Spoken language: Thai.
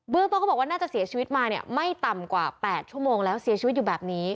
ต้นเขาบอกว่าน่าจะเสียชีวิตมาเนี่ยไม่ต่ำกว่า๘ชั่วโมงแล้วเสียชีวิตอยู่แบบนี้